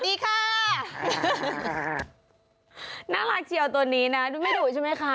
แต่ตัวนี้นะไม่ดุใช่ไหมคะ